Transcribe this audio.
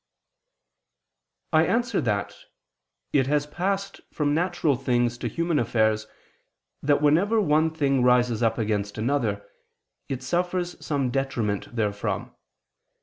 I answer that, It has passed from natural things to human affairs that whenever one thing rises up against another, it suffers some detriment therefrom.